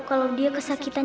kalau tidak adalah mama